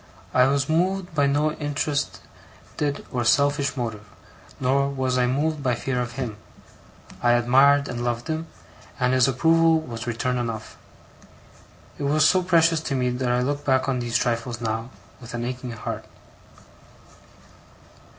I was moved by no interested or selfish motive, nor was I moved by fear of him. I admired and loved him, and his approval was return enough. It was so precious to me that I look back on these trifles, now, with an aching heart.